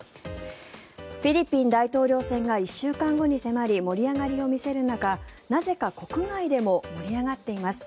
フィリピン大統領選が１週間後に迫り盛り上がりを見せる中なぜか国外でも盛り上がっています。